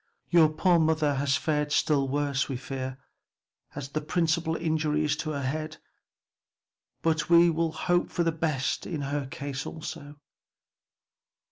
Your poor mother has fared still worse, we fear, as the principal injury is to the head, but we will hope for the best in her case also."